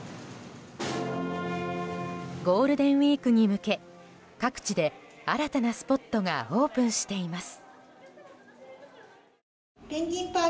ゴールデンウィークに向け各地で新たなスポットがオープンしています。